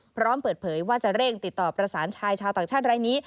พร้อมเปิดเผยว่าจะเร่งติดต่อประสานชายชาวต่างชาติรายนี้